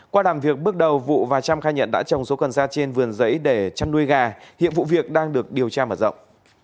qua đàm việc bước đầu vụ và trăm khai nhận đã trồng số cần xa trên vườn giấy để chăn nuôi gà hiện vụ việc đang được điều tra mở rộng